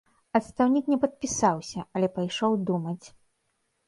Адстаўнік не падпісаўся, але пайшоў думаць.